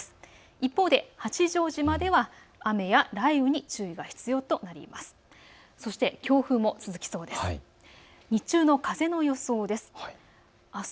一方で八丈島では雨や雷雨に注意が必要となります。